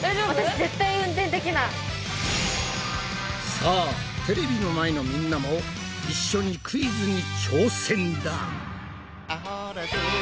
さあテレビの前のみんなも一緒にクイズに挑戦だ！